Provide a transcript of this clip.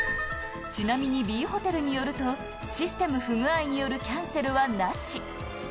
ちなみにＢホテルによると、システム不具合によるキャンセルはなし。